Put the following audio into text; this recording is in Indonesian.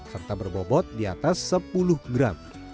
serta berbobot di atas sepuluh gram